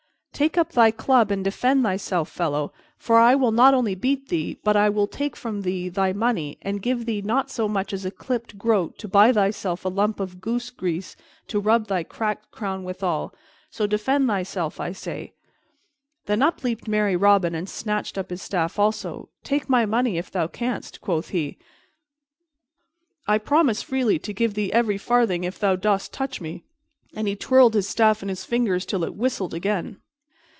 "Take up thy club and defend thyself, fellow, for I will not only beat thee but I will take from thee thy money and leave thee not so much as a clipped groat to buy thyself a lump of goose grease to rub thy cracked crown withal. So defend thyself, I say." Then up leaped merry Robin and snatched up his staff also. "Take my money, if thou canst," quoth he. "I promise freely to give thee every farthing if thou dost touch me." And he twirled his staff in his fingers till it whistled again.